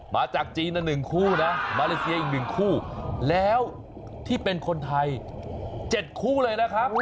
มาจากจีน๑คู่นะมาเลเซียอีก๑คู่แล้วที่เป็นคนไทย๗คู่เลยนะครับ